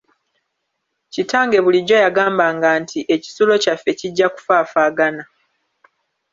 Kitange bulijjo yagambanga nti ekisulo kyaffe kijja kufaafaagana.